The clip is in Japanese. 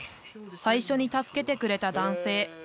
最初に助けてくれた男性。